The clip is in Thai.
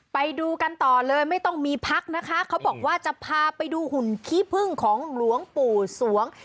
ไปดูกันต่อเลยไม่ต้องมีพักนะคะเขาบอกว่าจะพาไปดูหุ่นขี้พึ่งของหลวงปู่สวง